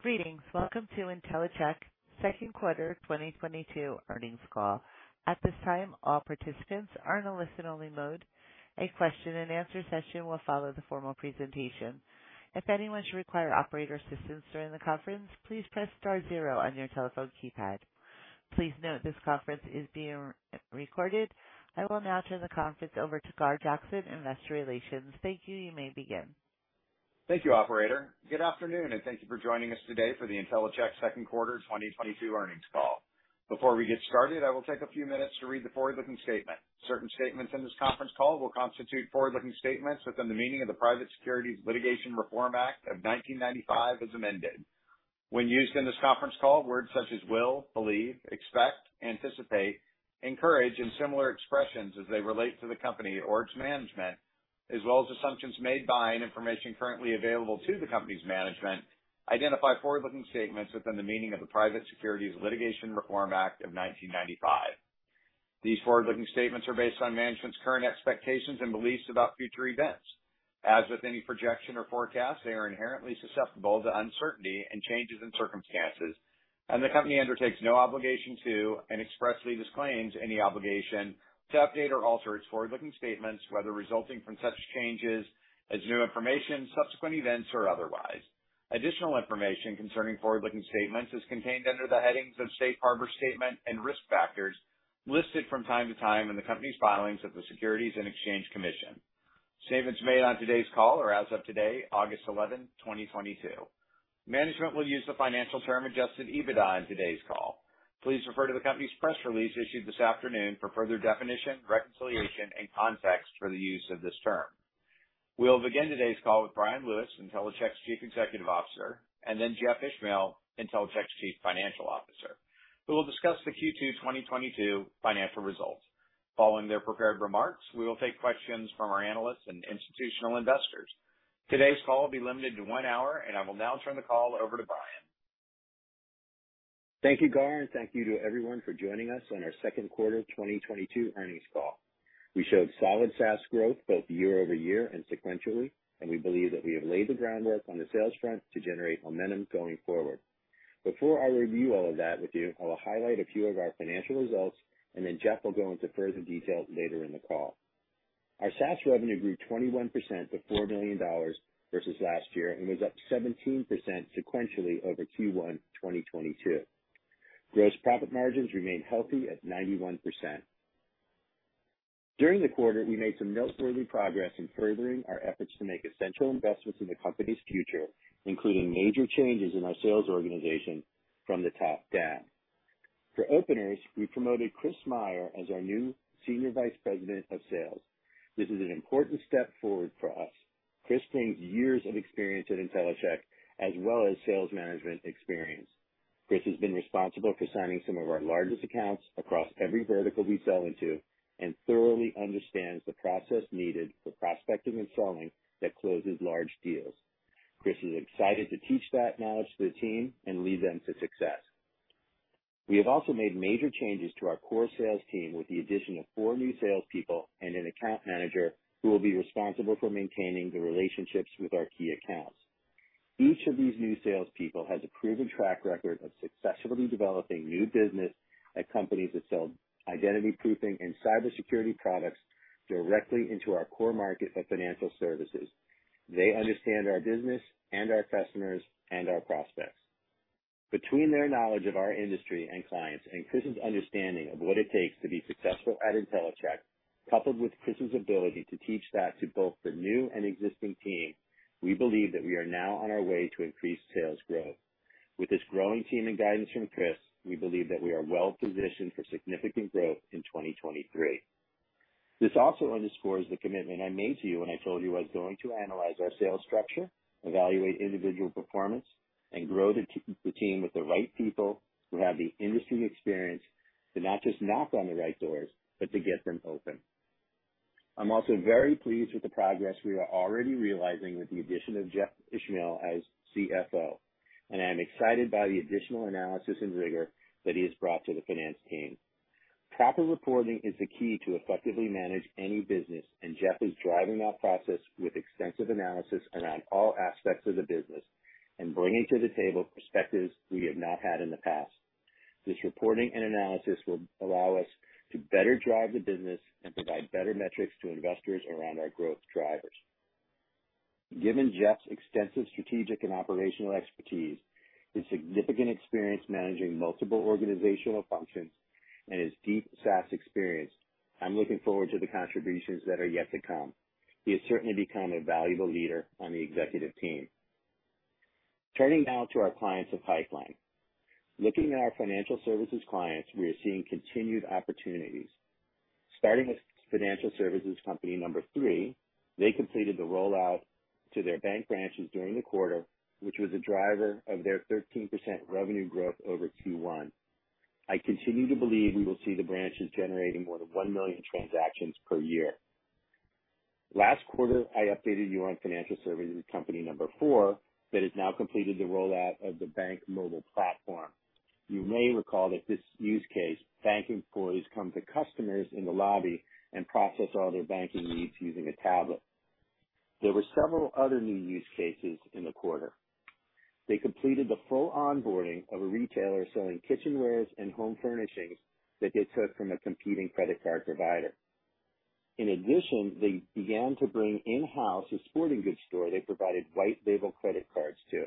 Greetings. Welcome to Intellicheck Q2 2022 earnings call. At this time, all participants are in a listen-only mode. A question-and-answer session will follow the formal presentation. If anyone should require operator assistance during the conference, please press star zero on your telephone keypad. Please note this conference is being recorded. I will now turn the conference over to Gar Jackson, Investor Relations. Thank you. You may begin. Thank you, operator. Good afternoon, and thank you for joining us today for the Intellicheck Q2 2022 earnings call. Before we get started, I will take a few minutes to read the forward-looking statement. Certain statements in this conference call will constitute forward-looking statements within the meaning of the Private Securities Litigation Reform Act of 1995, as amended. When used in this conference call, words such as will, believe, expect, anticipate, encourage, and similar expressions as they relate to the company or its management, as well as assumptions made by and information currently available to the company's management, identify forward-looking statements within the meaning of the Private Securities Litigation Reform Act of 1995. These forward-looking statements are based on management's current expectations and beliefs about future events. As with any projection or forecast, they are inherently susceptible to uncertainty and changes in circumstances, and the company undertakes no obligation to and expressly disclaims any obligation to update or alter its forward-looking statements, whether resulting from such changes as new information, subsequent events, or otherwise. Additional information concerning forward-looking statements is contained under the headings of Safe Harbor Statement and Risk Factors listed from time to time in the company's filings with the Securities and Exchange Commission. Statements made on today's call are as of today, August 11, 2022. Management will use the financial term adjusted EBITDA in today's call. Please refer to the company's press release issued this afternoon for further definition, reconciliation, and context for the use of this term. We'll begin today's call with Bryan Lewis, Intellicheck's Chief Executive Officer, and then Jeffrey Ishmael, Intellicheck's Chief Financial Officer, who will discuss the Q2 2022 financial results. Following their prepared remarks, we will take questions from our analysts and institutional investors. Today's call will be limited to one hour, and I will now turn the call over to Bryan. Thank you, Gar, and thank you to everyone for joining us on our Q2 2022 earnings call. We showed solid SaaS growth both year-over-year and sequentially, and we believe that we have laid the groundwork on the sales front to generate momentum going forward. Before I review all of that with you, I will highlight a few of our financial results, and then Jeff Ishmael will go into further detail later in the call. Our SaaS revenue grew 21% to $4 million versus last year and was up 17% sequentially over Q1 2022. Gross profit margins remained healthy at 91%. During the quarter, we made some noteworthy progress in furthering our efforts to make essential investments in the company's future, including major changes in our sales organization from the top down. For openers, we promoted Chris Meyer as our new Senior Vice President of Sales. This is an important step forward for us. Chris brings years of experience at Intellicheck as well as sales management experience. Chris has been responsible for signing some of our largest accounts across every vertical we sell into and thoroughly understands the process needed for prospecting and selling that closes large deals. Chris is excited to teach that knowledge to the team and lead them to success. We have also made major changes to our core sales team with the addition of four new salespeople and an account manager who will be responsible for maintaining the relationships with our key accounts. Each of these new salespeople has a proven track record of successfully developing new business at companies that sell identity proofing and cybersecurity products directly into our core market of financial services. They understand our business and our customers and our prospects. Between their knowledge of our industry and clients and Chris's understanding of what it takes to be successful at Intellicheck, coupled with Chris's ability to teach that to both the new and existing team, we believe that we are now on our way to increased sales growth. With this growing team and guidance from Chris, we believe that we are well positioned for significant growth in 2023. This also underscores the commitment I made to you when I told you I was going to analyze our sales structure, evaluate individual performance, and grow the team with the right people who have the industry experience to not just knock on the right doors but to get them open. I'm also very pleased with the progress we are already realizing with the addition of Jeffrey Ishmael as CFO, and I am excited by the additional analysis and rigor that he has brought to the finance team. Proper reporting is the key to effectively manage any business, and Jeffrey is driving that process with extensive analysis around all aspects of the business and bringing to the table perspectives we have not had in the past. This reporting and analysis will allow us to better drive the business and provide better metrics to investors around our growth drivers. Given Jeffrey's extensive strategic and operational expertise, his significant experience managing multiple organizational functions, and his deep SaaS experience, I'm looking forward to the contributions that are yet to come. He has certainly become a valuable leader on the executive team. Turning now to our clients and pipeline. Looking at our financial services clients, we are seeing continued opportunities. Starting with financial services company number three, they completed the rollout to their bank branches during the quarter, which was a driver of their 13% revenue growth over Q1. I continue to believe we will see the branches generating more than 1 million transactions per year. Last quarter, I updated you on financial services company number four that has now completed the rollout of the bank mobile platform. You may recall that this use case, bank employees come to customers in the lobby and process all their banking needs using a tablet. There were several other new use cases in the quarter. They completed the full onboarding of a retailer selling kitchenwares and home furnishings that they took from a competing credit card provider. In addition, they began to bring in-house a sporting goods store they provided white label credit cards to.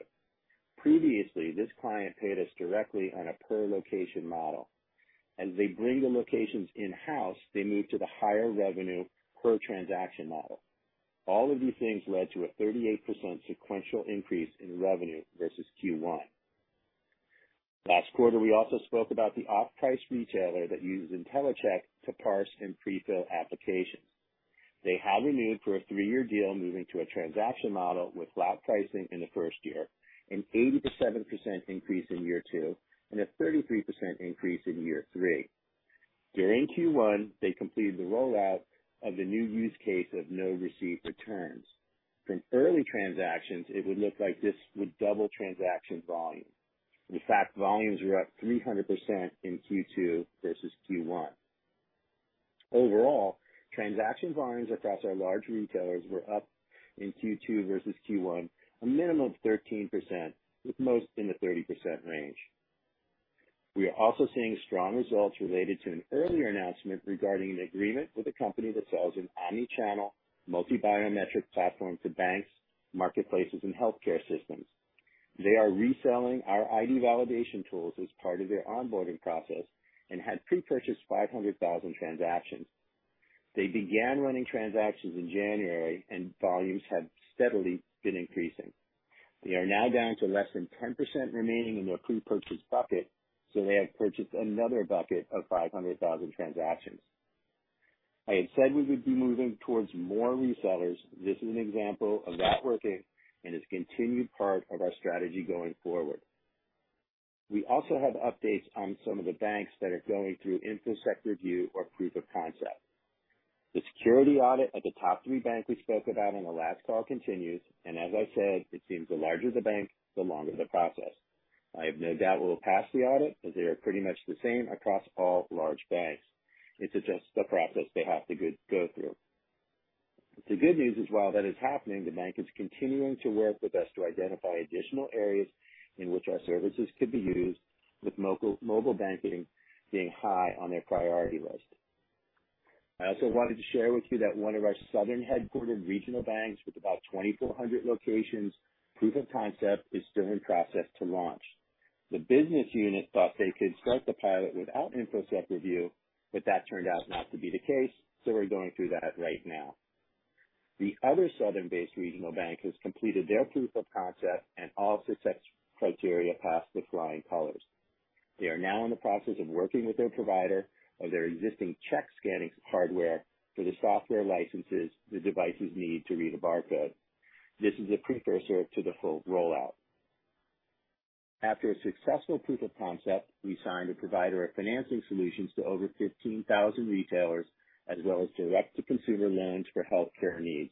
Previously, this client paid us directly on a per location model. As they bring the locations in-house, they move to the higher revenue per transaction model. All of these things led to a 38% sequential increase in revenue versus Q1. Last quarter, we also spoke about the off-price retailer that uses Intellicheck to parse and pre-fill applications. They have renewed for a three-year deal, moving to a transaction model with flat pricing in the first year, an 87% increase in year two, and a 33% increase in year three. During Q1, they completed the rollout of the new use case of no receipt returns. From early transactions, it would look like this would double transaction volume. In fact, volumes were up 300% in Q2 versus Q1. Overall, transaction volumes across our large retailers were up in Q2 versus Q1, a minimum of 13%, with most in the 30% range. We are also seeing strong results related to an earlier announcement regarding an agreement with a company that sells an omni-channel multi-biometric platform to banks, marketplaces, and healthcare systems. They are reselling our ID validation tools as part of their onboarding process and had pre-purchased 500,000 transactions. They began running transactions in January and volumes have steadily been increasing. They are now down to less than 10% remaining in their pre-purchase bucket, so they have purchased another bucket of 500,000 transactions. I had said we would be moving towards more resellers. This is an example of that working and is a continued part of our strategy going forward. We also have updates on some of the banks that are going through InfoSec review or proof of concept. The security audit at the top three banks we spoke about on the last call continues, and as I said, it seems the larger the bank, the longer the process. I have no doubt we'll pass the audit, as they are pretty much the same across all large banks. It's just the process they have to go through. The good news is while that is happening, the bank is continuing to work with us to identify additional areas in which our services could be used, with mobile banking being high on their priority list. I also wanted to share with you that one of our southern-headquartered regional banks with about 2,400 locations, proof of concept is still in process to launch. The business unit thought they could start the pilot without InfoSec review, but that turned out not to be the case, so we're going through that right now. The other southern-based regional bank has completed their proof of concept and all set criteria passed with flying colors. They are now in the process of working with their provider of their existing check scanning hardware for the software licenses the devices need to read a barcode. This is a precursor to the full rollout. After a successful proof of concept, we signed a provider of financing solutions to over 15,000 retailers, as well as direct-to-consumer loans for healthcare needs.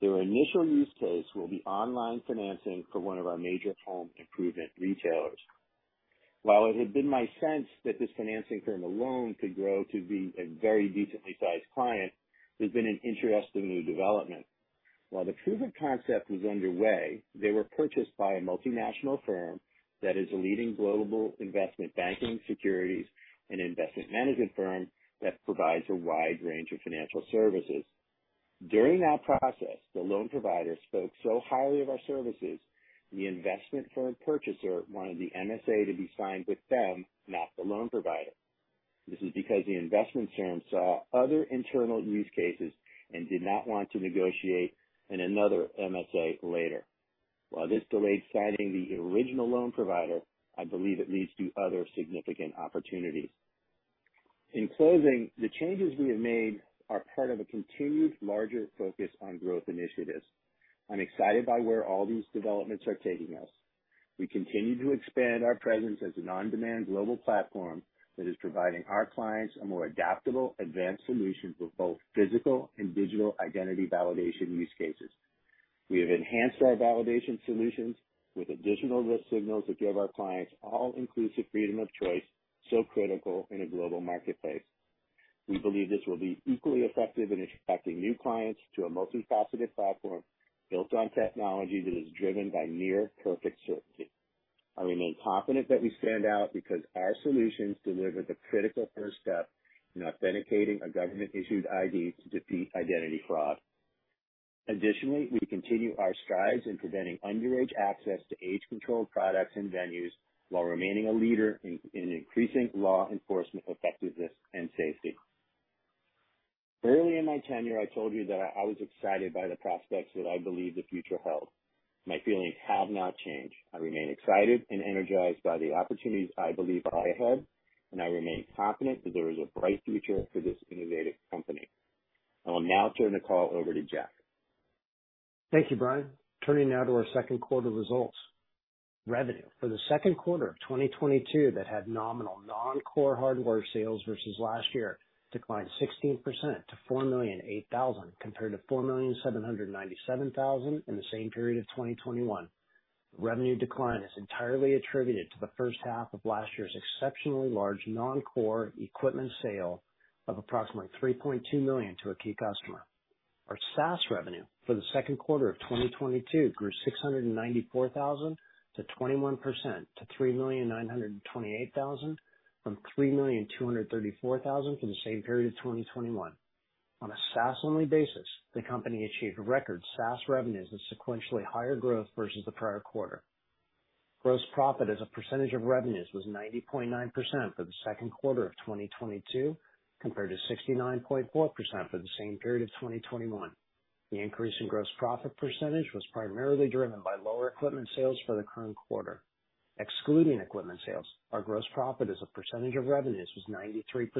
Their initial use case will be online financing for one of our major home improvement retailers. While it had been my sense that this financing firm alone could grow to be a very decently sized client, there's been an interesting new development. While the proof of concept was underway, they were purchased by a multinational firm that is a leading global investment banking, securities, and investment management firm that provides a wide range of financial services. During that process, the loan provider spoke so highly of our services, the investment firm purchaser wanted the MSA to be signed with them, not the loan provider. This is because the investment firm saw other internal use cases and did not want to negotiate in another MSA later. While this delayed signing the original loan provider, I believe it leads to other significant opportunities. In closing, the changes we have made are part of a continued larger focus on growth initiatives. I'm excited by where all these developments are taking us. We continue to expand our presence as an on-demand global platform that is providing our clients a more adaptable, advanced solution for both physical and digital identity validation use cases. We have enhanced our validation solutions with additional risk signals that give our clients all inclusive freedom of choice, so critical in a global marketplace. We believe this will be equally effective in attracting new clients to a multifaceted platform built on technology that is driven by near perfect certainty. I remain confident that we stand out because our solutions deliver the critical first step in authenticating a government-issued ID to defeat identity fraud. Additionally, we continue our strides in preventing underage access to age-controlled products and venues while remaining a leader in increasing law enforcement effectiveness and safety. Early in my tenure, I told you that I was excited by the prospects that I believe the future held. My feelings have not changed. I remain excited and energized by the opportunities I believe are ahead, and I remain confident that there is a bright future for this innovative company. I will now turn the call over to Jeff Van Rhee. Thank you, Bryan. Turning now to our Q2 results. Revenue for the Q2 of 2022 that had nominal non-core hardware sales versus last year declined 16% to $4.008 million, compared to $4.797 million in the same period of 2021. Revenue decline is entirely attributed to the first half of last year's exceptionally large non-core equipment sale of approximately $3.2 million to a key customer. Our SaaS revenue for the Q2 of 2022 grew $694,000 to 21% to $3.928 million from $3.234 million for the same period of 2021. On a SaaS-only basis, the company achieved record SaaS revenues and sequentially higher growth versus the prior quarter. Gross profit as a percentage of revenues was 90.9% for the Q2 of 2022 compared to 69.4% for the same period of 2021. The increase in gross profit percentage was primarily driven by lower equipment sales for the current quarter. Excluding equipment sales, our gross profit as a percentage of revenues was 93%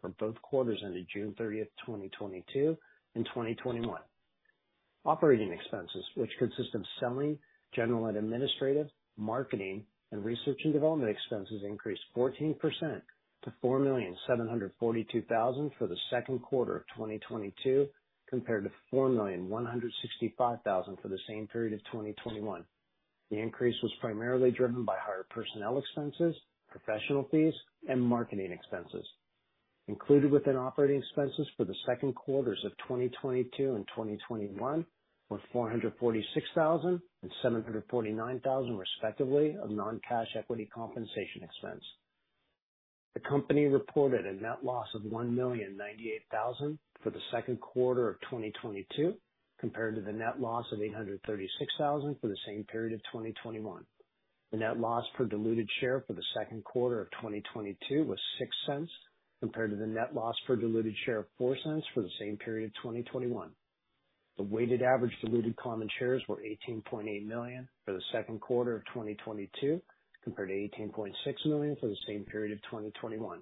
for both quarters ended June 30th, 2022 and 2021. Operating expenses, which consist of selling, general and administrative, marketing, and research and development expenses, increased 14% to $4.742 million for the Q2 of 2022 compared to $4.165 million for the same period of 2021. The increase was primarily driven by higher personnel expenses, professional fees, and marketing expenses. Included within operating expenses for the Q2s of 2022 and 2021 were $446,000 and $749,000, respectively, of non-cash equity compensation expense. The company reported a net loss of $1,098,000 for the Q2 of 2022 compared to the net loss of $836,000 for the same period of 2021. The net loss per diluted share for the Q2 of 2022 was $0.06 compared to the net loss per diluted share of $0.04 for the same period of 2021. The weighted average diluted common shares were 18.8 million for the Q2 of 2022 compared to 18.6 million for the same period of 2021.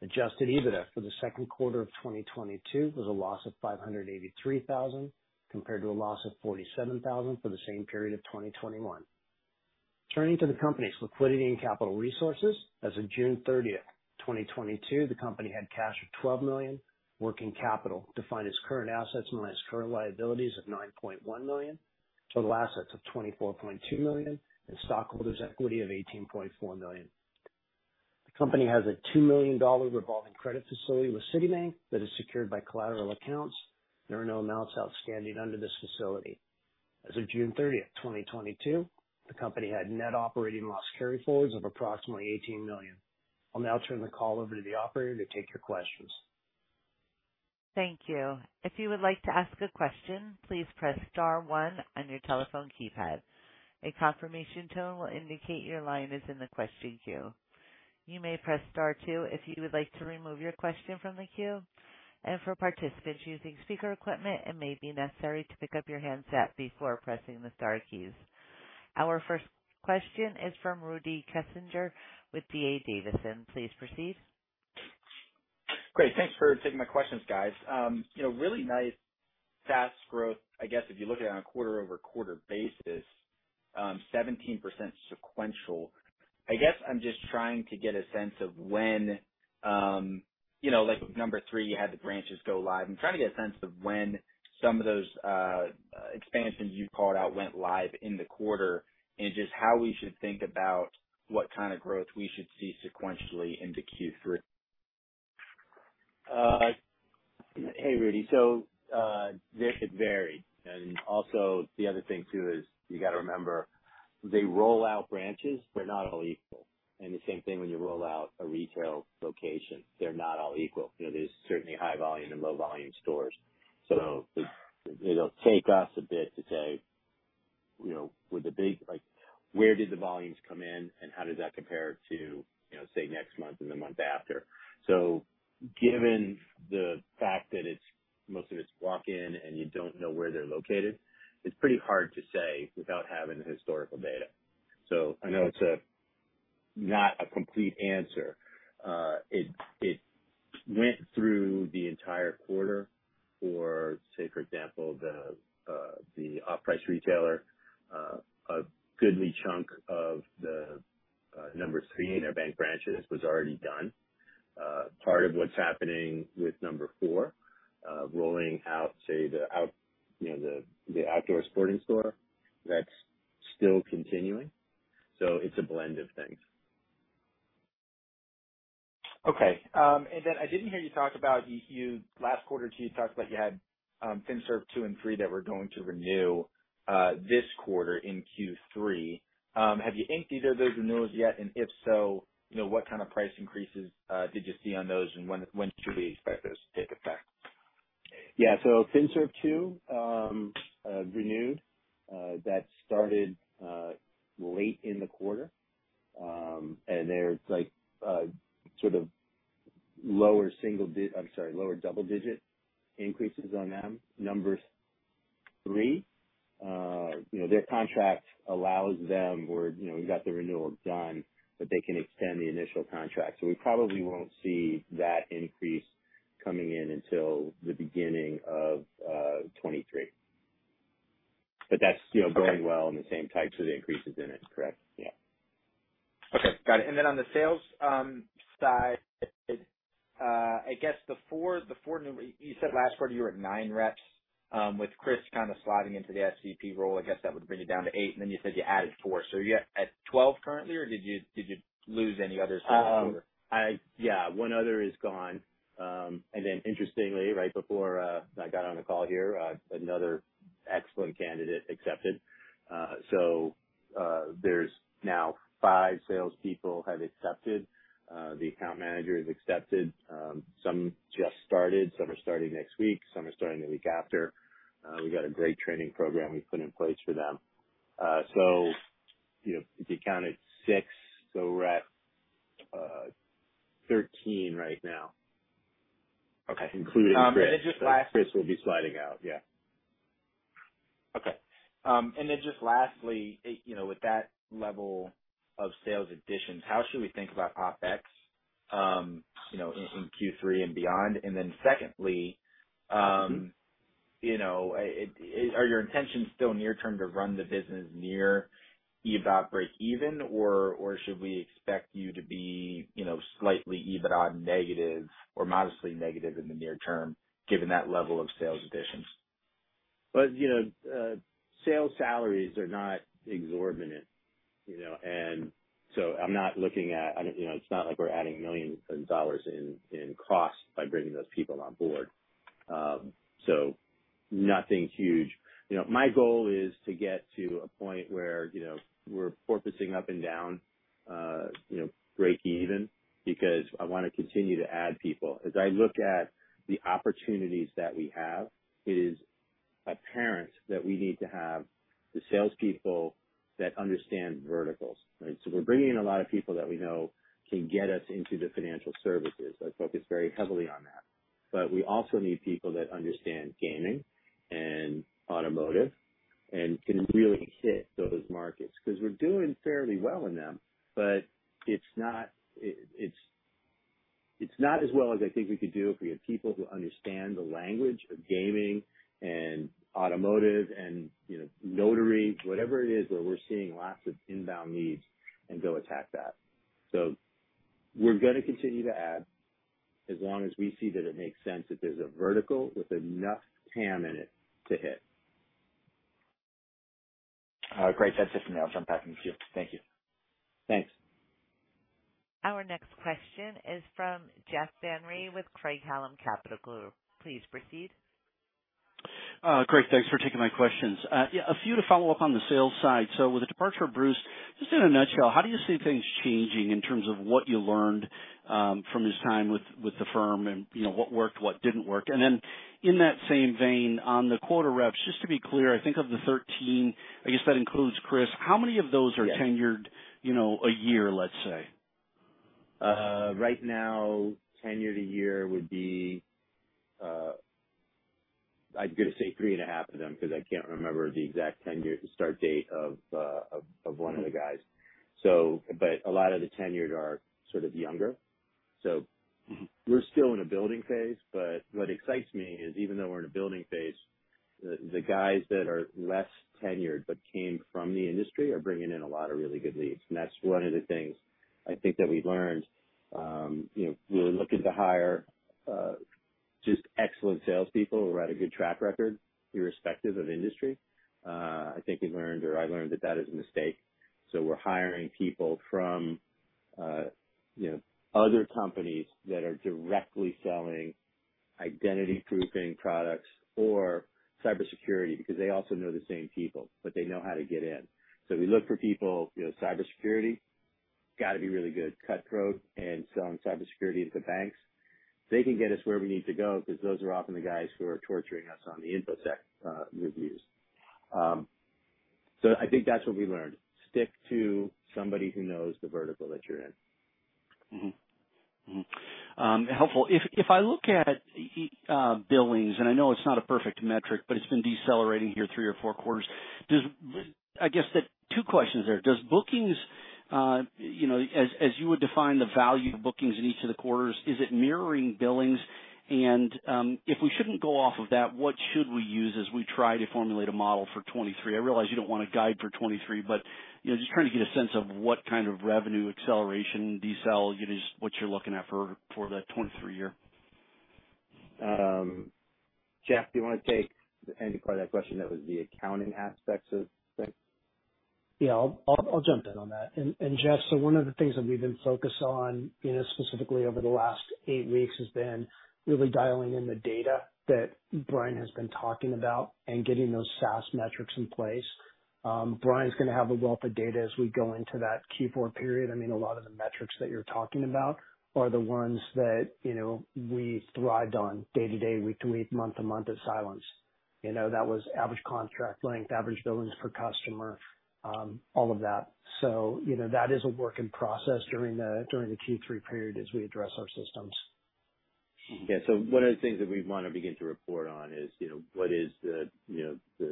Adjusted EBITDA for the Q2 of 2022 was a loss of $583 thousand compared to a loss of $47 thousand for the same period of 2021. Turning to the company's liquidity and capital resources. As of June 30, 2022, the company had cash of $12 million, working capital defined as current assets minus current liabilities of $9.1 million, total assets of $24.2 million, and stockholders' equity of $18.4 million. The company has a $2 million revolving credit facility with Citibank that is secured by collateral accounts. There are no amounts outstanding under this facility. As of June 30th, 2022, the company had net operating loss carryforwards of approximately $18 million. I'll now turn the call over to the operator to take your questions. Thank you. If you would like to ask a question, please press star one on your telephone keypad. A confirmation tone will indicate your line is in the question queue. You may press star two if you would like to remove your question from the queue. For participants using speaker equipment, it may be necessary to pick up your handset before pressing the star keys. Our first question is from Rudy Kessinger with D.A. Davidson. Please proceed. Great. Thanks for taking my questions, guys. You know, really nice SaaS growth, I guess, if you look at it on a quarter-over-quarter basis, 17% sequential. I guess I'm just trying to get a sense of when, you know, like with number three, you had the branches go live. I'm trying to get a sense of when some of those expansions you called out went live in the quarter and just how we should think about what kind of growth we should see sequentially into Q3. Hey, Rudy. They could vary. The other thing too is you gotta remember, the rollout branches were not all equal, and the same thing when you roll out a retail location. They're not all equal. You know, there's certainly high volume and low volume stores. It'll take us a bit to say, you know, like, where did the volumes come in, and how does that compare to, you know, say, next month and the month after? Given the fact that it's most of it's walk-in and you don't know where they're located, it's pretty hard to say without having the historical data. I know it's not a complete answer. It went through the entire quarter, say, for example, the off-price retailer. A goodly chunk of the number three in our bank branches was already done. Part of what's happening with number four, rolling out, say, you know, the outdoor sporting store, that's still continuing. It's a blend of things. Okay. I didn't hear you talk about you. Last quarter, too, you talked about you had FinServ two and three that were going to renew this quarter in Q3. Have you inked either of those renewals yet? If so, you know, what kind of price increases did you see on those, and when should we expect those to take effect? Yeah. FinServ two renewed. That started late in the quarter. There's like sort of lower double-digit increases on them. Number three, you know, their contract allows them where, you know, we got the renewal done, but they can extend the initial contract. We probably won't see that increase coming in until the beginning of 2023. That's, you know Okay. Going well and the same types of increases in it. Correct. Yeah. Okay. Got it. On the sales side, I guess you said last quarter you were at 9 reps with Chris kind of sliding into the SVP role. I guess that would bring it down to 8. You said you added 4. Are you at 12 currently, or did you lose any others from before? Yeah, one other is gone. Interestingly, right before I got on the call here, another excellent candidate accepted. There's now five salespeople have accepted. The account manager has accepted. Some just started. Some are starting next week. Some are starting the week after. We've got a great training program we've put in place for them. You know, if you counted six, we're at 13 right now. Okay. Including Chris. Just lastly. Chris will be sliding out. Yeah. Okay. Just lastly, you know, with that level of sales additions, how should we think about OpEx, you know, in Q3 and beyond? Secondly- Mm-hmm. You know, are your intentions still near-term to run the business near EBIT break even? Or should we expect you to be, you know, slightly EBIT negative or modestly negative in the near term, given that level of sales additions? You know, sales salaries are not exorbitant, you know, and so I don't, you know, it's not like we're adding dollar millions in cost by bringing those people on board. Nothing huge. You know, my goal is to get to a point where, you know, we're focusing up and down, you know, break even, because I wanna continue to add people. As I look at the opportunities that we have, it is apparent that we need to have the salespeople that understand verticals, right? We're bringing in a lot of people that we know can get us into the financial services. I focus very heavily on that. We also need people that understand gaming and automotive and can really hit those markets. Because we're doing fairly well in them, but it's not as well as I think we could do if we have people who understand the language of gaming and automotive and, you know, notary, whatever it is, where we're seeing lots of inbound needs and go attack that. We're gonna continue to add as long as we see that it makes sense, if there's a vertical with enough TAM in it to hit. Great. That's it from me. I'll jump back in the queue. Thank you. Thanks. Our next question is from Jeff Van Rhee with Craig-Hallum Capital Group. Please proceed. Great. Thanks for taking my questions. Yeah, a few to follow up on the sales side. With the departure of Bruce, just in a nutshell, how do you see things changing in terms of what you learned from his time with the firm and, you know, what worked, what didn't work? Then in that same vein, on the quota reps, just to be clear, I think of the 13, I guess that includes Chris. How many of those are tenured- Yes. You know, a year, let's say? Right now, tenured a year would be, I'm gonna say 3.5 of them, because I can't remember the exact tenure start date of one of the guys. A lot of the tenured are sort of younger. We're still in a building phase, but what excites me is even though we're in a building phase, the guys that are less tenured but came from the industry are bringing in a lot of really good leads. That's one of the things I think that we learned. You know, we were looking to hire just excellent salespeople who had a good track record, irrespective of industry. I think we've learned or I learned that that is a mistake. We're hiring people from, you know, other companies that are directly selling identity proofing products or cybersecurity because they also know the same people, but they know how to get in. We look for people, you know, cybersecurity, gotta be really good, cutthroat and selling cybersecurity into banks. They can get us where we need to go because those are often the guys who are torturing us on the InfoSec reviews. I think that's what we learned. Stick to somebody who knows the vertical that you're in. Helpful. If I look at ACV billings, and I know it's not a perfect metric, but it's been decelerating here three or four quarters. Does bookings, you know, as you would define the value of bookings in each of the quarters, is it mirroring billings? If we shouldn't go off of that, what should we use as we try to formulate a model for 2023? I realize you don't want to guide for 2023, but, you know, just trying to get a sense of what kind of revenue acceleration decel, you know, just what you're looking at for the 2023 year. Jeff, do you wanna take any part of that question that was the accounting aspects of things? Yeah. I'll jump in on that. Jeff, one of the things that we've been focused on, you know, specifically over the last eight weeks, has been really dialing in the data that Bryan has been talking about and getting those SaaS metrics in place. Bryan's gonna have a wealth of data as we go into that Q4 period. I mean, a lot of the metrics that you're talking about are the ones that, you know, we thrived on day to day, week to week, month to month at Cylance. You know, that was average contract length, average billings per customer, all of that. That is a work in process during the Q3 period as we address our systems. Yeah. One of the things that we wanna begin to report on is, you know, what is the, you know,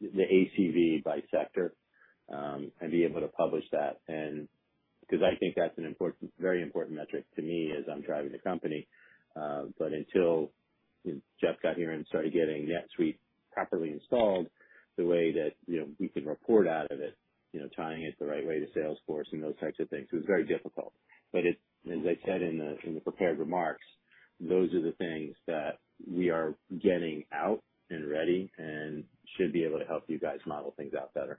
the ACV by sector, and be able to publish that. Because I think that's an important, very important metric to me as I'm driving the company. Until Jeff got here and started getting NetSuite properly installed the way that, you know, we could report out of it, you know, tying it the right way to Salesforce and those types of things. It was very difficult. It as I said in the prepared remarks, those are the things that we are getting out and ready and should be able to help you guys model things out better.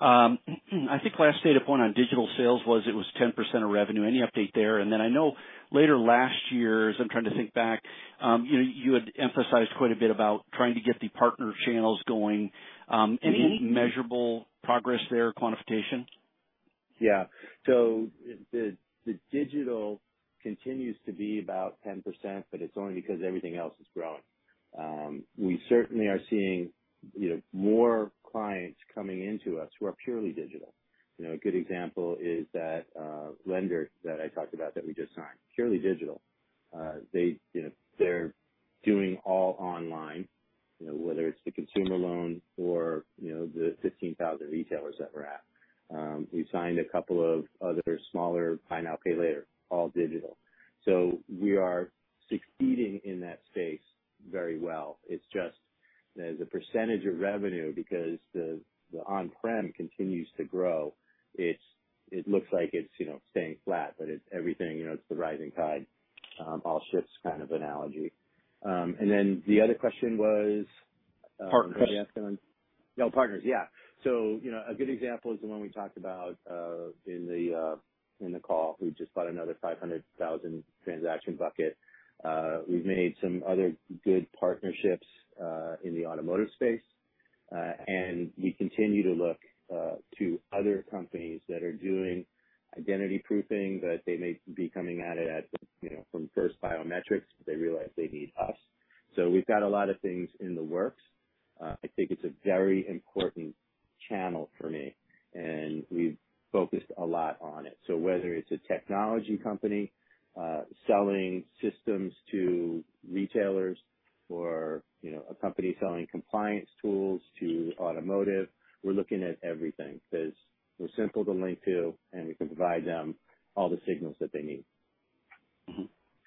I think last data point on digital sales was it was 10% of revenue. Any update there? I know late last year, as I'm trying to think back, you know, you had emphasized quite a bit about trying to get the partner channels going. Any measurable progress there? Quantification? Yeah. The digital continues to be about 10%, but it's only because everything else is growing. We certainly are seeing, you know, more clients coming into us who are purely digital. You know, a good example is that lender that I talked about that we just signed, purely digital. They, you know, they're doing all online, you know, whether it's the consumer loan or, you know, the 15,000 retailers that we're at. We signed a couple of other smaller buy now, pay later, all digital. We are succeeding in that space very well. It's just as a percentage of revenue because the on-prem continues to grow, it looks like it's, you know, staying flat, but it's everything, you know, it's the rising tide, all ships kind of analogy. The other question was. Partners. What did you ask again? No, partners. Yeah. You know, a good example is the one we talked about in the call. We just bought another 500,000 transaction bucket. We've made some other good partnerships in the automotive space. We continue to look to other companies that are doing identity proofing, that they may be coming at it at, you know, from first biometrics, but they realize they need us. We've got a lot of things in the works. I think it's a very important channel for me, and we've focused a lot on it. Whether it's a technology company, selling systems to retailers or, you know, a company selling compliance tools to automotive, we're looking at everything 'cause we're simple to link to, and we can provide them all the signals that they need.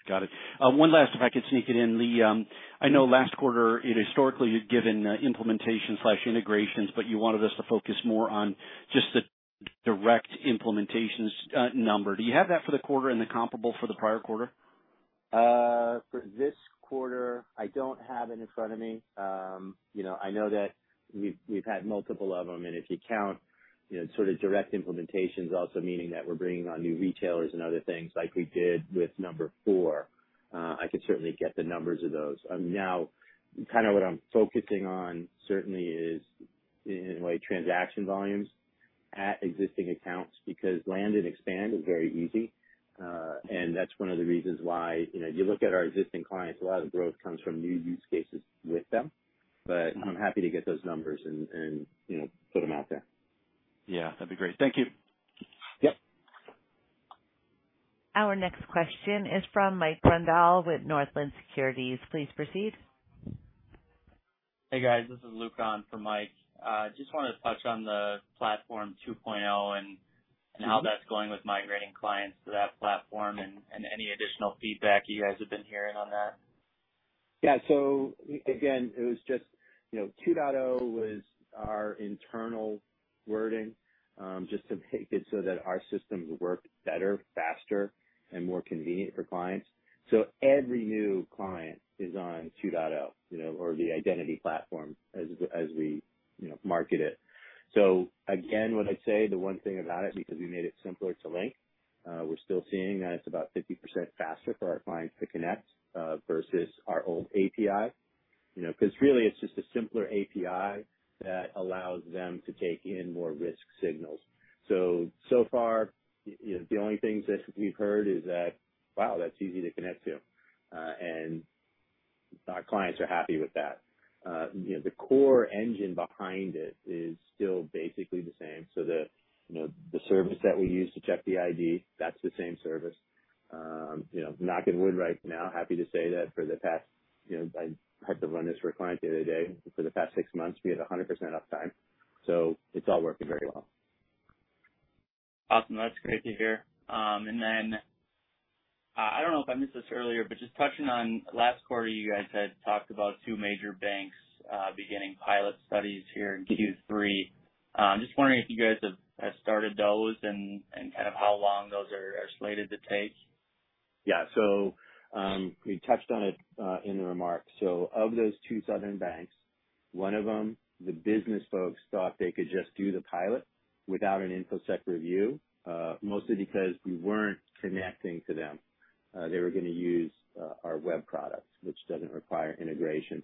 Got it. One last, if I could sneak it in, Lewis. I know last quarter you historically had given implementation/integrations, but you wanted us to focus more on just the direct implementations number. Do you have that for the quarter and the comparable for the prior quarter? For this quarter, I don't have it in front of me. You know, I know that we've had multiple of them. If you count, you know, sort of direct implementations also meaning that we're bringing on new retailers and other things like we did with number four, I could certainly get the numbers of those. Now kind of what I'm focusing on certainly is in a way transaction volumes at existing accounts because land and expand is very easy. That's one of the reasons why, you know, if you look at our existing clients, a lot of the growth comes from new use cases with them. I'm happy to get those numbers and, you know, put them out there. Yeah, that'd be great. Thank you. Yep. Our next question is from Mike Grondahl with Northland Capital Markets. Please proceed. Hey, guys. This is Luke on for Mike. Just wanted to touch on the Platform 2.0 and how that's going with migrating clients to that platform and any additional feedback you guys have been hearing on that. Yeah. Again, it was just, you know, 2.0 was our internal wording, just to make it so that our systems work better, faster, and more convenient for clients. Every new client is on 2.0, you know, or the identity platform as we, as we, you know, market it. Again, when I say the one thing about it, because we made it simpler to link, we're still seeing that it's about 50% faster for our clients to connect, versus our old API. You know, 'cause really it's just a simpler API that allows them to take in more risk signals. So far, you know, the only things that we've heard is that, wow, that's easy to connect to, and our clients are happy with that. You know, the core engine behind it is still basically the same. The, you know, the service that we use to check the ID, that's the same service. You know, knock on wood right now, happy to say that for the past, you know, I had to run this for a client the other day, for the past six months, we had 100% uptime. It's all working very well. Awesome. That's great to hear. I don't know if I missed this earlier, but just touching on last quarter, you guys had talked about two major banks beginning pilot studies here in Q3. I'm just wondering if you guys have started those and kind of how long those are slated to take? Yeah. We touched on it in the remarks. Of those two southern banks, one of them, the business folks thought they could just do the pilot without an InfoSec review, mostly because we weren't connecting to them. They were gonna use our web products, which doesn't require integration.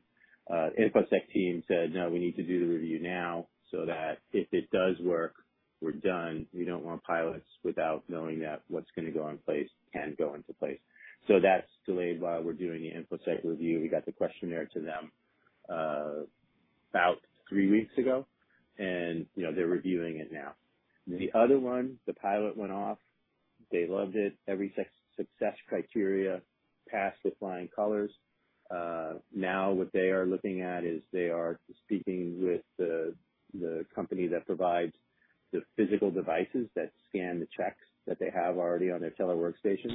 InfoSec team said, "No, we need to do the review now so that if it does work, we're done. We don't want pilots without knowing that what's gonna go in place can go into place." That's delayed while we're doing the InfoSec review. We got the questionnaire to them about three weeks ago and, you know, they're reviewing it now. The other one, the pilot went off. They loved it. Every success criteria passed with flying colors. Now what they are looking at is they are speaking with the company that provides the physical devices that scan the checks that they have already on their teller workstation.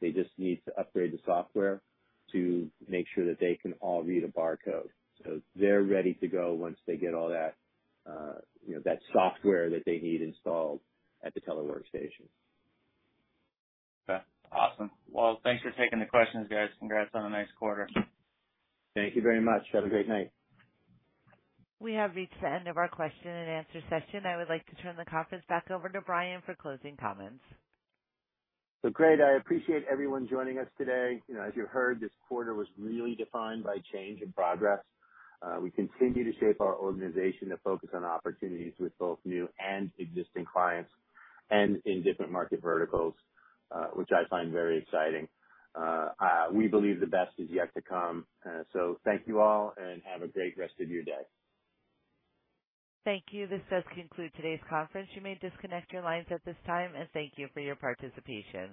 They just need to upgrade the software to make sure that they can all read a barcode. They're ready to go once they get all that, you know, that software that they need installed at the teller workstation. Okay. Awesome. Well, thanks for taking the questions, guys. Congrats on a nice quarter. Thank you very much. Have a great night. We have reached the end of our question and answer session. I would like to turn the conference back over to Bryan for closing comments. Great. I appreciate everyone joining us today. You know, as you heard, this quarter was really defined by change and progress. We continue to shape our organization to focus on opportunities with both new and existing clients and in different market verticals, which I find very exciting. We believe the best is yet to come. Thank you all and have a great rest of your day. Thank you. This does conclude today's conference. You may disconnect your lines at this time and thank you for your participation.